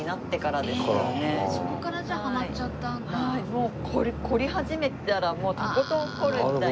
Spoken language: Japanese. もう凝り始めたらとことん凝るみたいな。